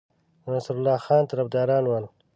د نصرالله خان طرفداران ول.